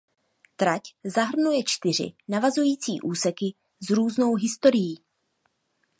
Trať zahrnuje čtyři navazující úseky s různou historií.